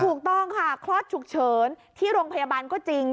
ถูกต้องค่ะคลอดฉุกเฉินที่โรงพยาบาลก็จริง